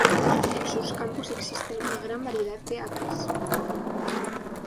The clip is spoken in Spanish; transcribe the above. En sus campos existen una gran variedad de aves.